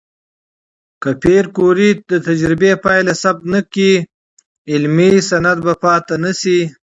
که پېیر کوري د تجربې پایله ثبت نه کړي، علمي سند به پاتې نشي.